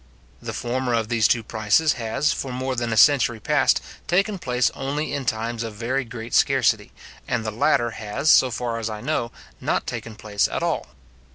The former of these two prices has, for more than a century past, taken place only in times of very great scarcity; and the latter has, so far as I know, not taken place at all.